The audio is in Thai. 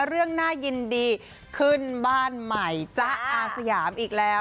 น่ายินดีขึ้นบ้านใหม่จ๊ะอาสยามอีกแล้ว